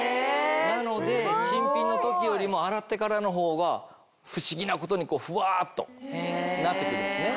なので新品の時よりも洗ってからのほうが不思議なことにふわっとなって来るんですね。